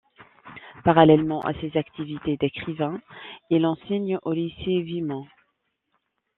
Parallèlement à ses activités d'écrivain, il enseigne au lycée Whimoon.